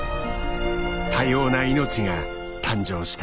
多様な命が誕生した。